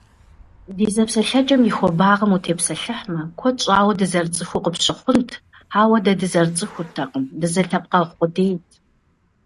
Ди зэпсэлъэкӏэм и хуэбагъым утепсэлъыхьмэ, куэд щӏауэ дызэрыцӏыхуу къыпщыхъунт, ауэ дэ дызэрыцӏыхуртэкъым дызэлъэпкъэгъу къудейт.